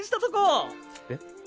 えっ。